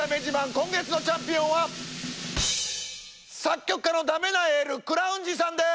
今月のチャンピオンは作曲家のだめなエールクラウンジさんです！